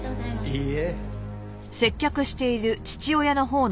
いいえ。